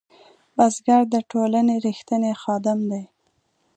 بزګر د ټولنې رښتینی خادم دی